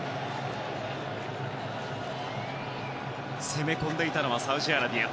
攻め込んでいたのはサウジアラビア。